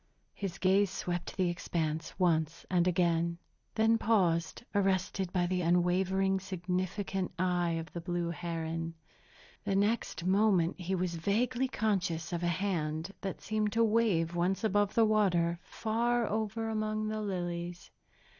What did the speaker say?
His gaze swept the expanse once and again, then paused, arrested by the unwavering, significant eye of the blue heron. The next moment he was vaguely conscious of a hand, that seemed to wave once above the water, far over among the lilies.